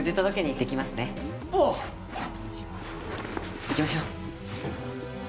行きましょう。